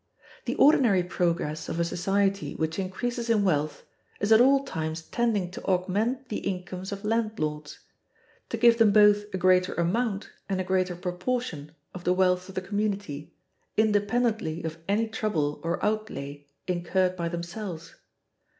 The ordinary progress of a society which increases in wealth is at all times tending to augment the incomes of landlords; to give them both a greater amount and a greater proportion of the wealth of the community, independently of any trouble or outlay incurred by themselves.